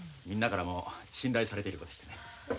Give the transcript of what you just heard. みんなからも信頼されている子でしてね。